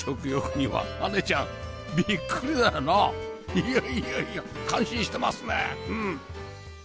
いやいやいや感心してますねうん